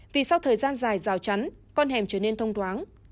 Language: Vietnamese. vì sau thời gian dài rào chắn con hẻm trở nên thông toán